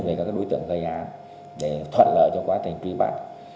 về các đối tượng gây án để thuận lợi cho quá trình truy bắt